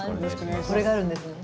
これがあるんですね。